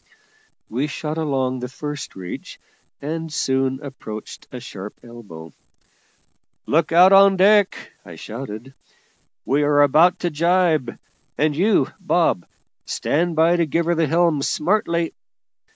We shot along the first reach, and soon approached a sharp elbow. "Look out on deck!" I shouted; "we are about to jibe; and you, Bob, stand by to give her the helm smartly.